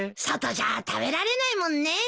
外じゃ食べられないもんね。